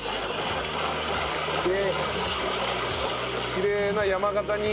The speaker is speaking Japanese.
きれいな山形に。